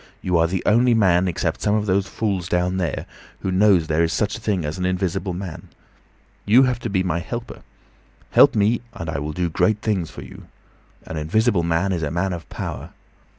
"You are the only man except some of those fools down there, who knows there is such a thing as an invisible man. You have to be my helper. Help me—and I will do great things for you. An invisible man is a man of power."